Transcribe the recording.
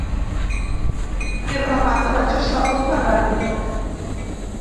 I remata: Vaig estar a punt d’anar-hi.